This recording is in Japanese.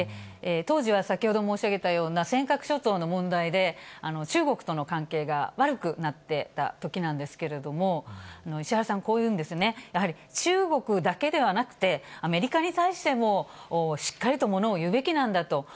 当時は先ほど申し上げたような、尖閣諸島の問題で、中国との関係が悪くなってたときなんですけれども、石原さん、こう言うんですよね、やはり中国だけではなくて、アメリカに対してもしっかりと物を言うべきなんだと。